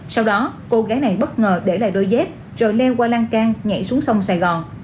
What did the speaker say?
sau đó cô gái này bất ngờ để lại đôi dép rồi leo qua lan can nhảy xuống sông sài gòn